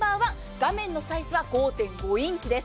画面のサイズは５．５インチです。